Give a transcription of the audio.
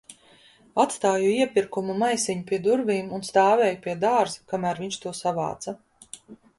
Atstāju iepirkuma maisiņu pie durvīm un stāvēju pie dārza, kamēr viņš to savāca.